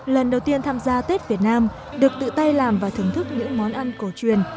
lần đầu tiên tham gia tết việt nam được tự tay làm và thưởng thức những món ăn cổ truyền